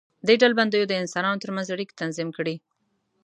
دې ډلبندیو د انسانانو تر منځ اړیکې تنظیم کړې.